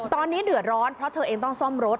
ตอนนี้เดือดร้อนเพราะเธอเองต้องซ่อมรถ